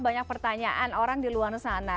banyak pertanyaan orang di luar sana